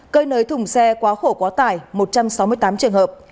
cơi nới thùng xe quá khổ quá tải một trăm sáu mươi tám trường hợp